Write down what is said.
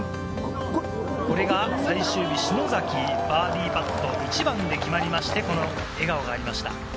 これが最終日、篠崎、バーディーパット、１番で決まりまして、この笑顔がありました。